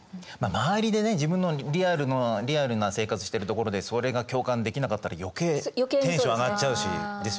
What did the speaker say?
周りでね自分のリアルな生活してるところでそれが共感できなかったら余計テンション上がっちゃうしですよね。